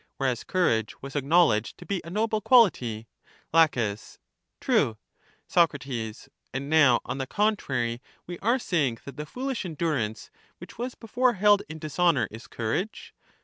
Whereas courage was acknowledged to be a noble quality. La, True. Soc. And now on the contrary we are saying that the foolish endurance, which was before held in dis honor, is courage.